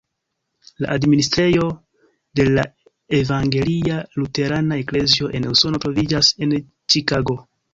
La administrejo de la Evangelia Luterana Eklezio en Usono troviĝas en Ĉikago.